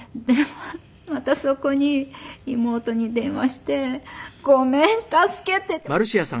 またそこに妹に電話して「ごめん。助けて」って。